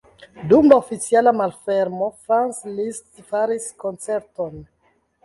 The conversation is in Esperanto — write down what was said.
Dum la oficiala malfermo Franz Liszt faris koncerton.